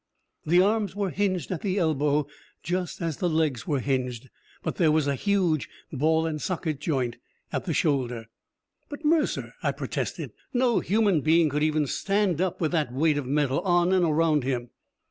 The arms were hinged at the elbow just as the legs were hinged, but there was a huge ball and socket joint at the shoulder. "But Mercer!" I protested. "No human being could even stand up with that weight of metal on and around him!"